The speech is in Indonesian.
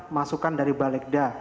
masukan dari balik dah